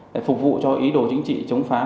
để phục vụ cho ý đồ chính trị chống phá